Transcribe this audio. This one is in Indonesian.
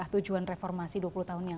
tujuan reformasi dua puluh tahun yang